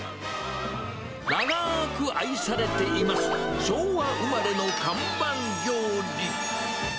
長ーく愛されています、昭和生まれの看板料理。